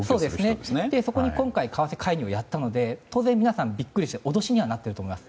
そこに今回為替介入をやったので当然皆さん、ビックリして脅しにはなっていると思います。